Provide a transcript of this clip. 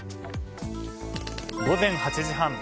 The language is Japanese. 午前８時半。